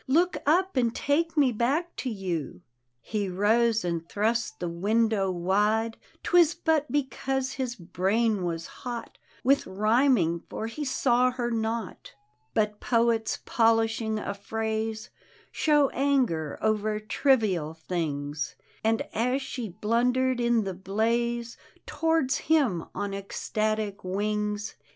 Look up and take mc back to you 1 " He rose and thrust the window wide^ 'Twas but because his brain was hot With rhyming; for he saw her not But poets polishing a phrase Show anger over trivial things: And as she blundered in the blaze Towards him, on ecstatic wings.